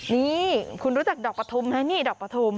นี่คุณรู้จักดอกประทุมไหมนี่ดอกประทุม